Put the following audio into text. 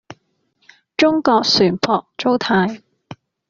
中國船舶租賃